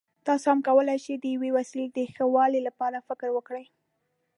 تاسو هم کولای شئ د یوې وسیلې د ښه والي لپاره فکر وکړئ.